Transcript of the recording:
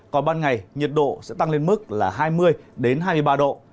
còn ban ngày nhiệt độ sẽ tăng lên mức là hai mươi hai mươi ba độ